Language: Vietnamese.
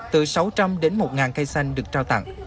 từ sáu trăm linh đến một cây xanh được trao tặng